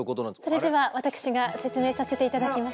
それでは私が説明させて頂きます。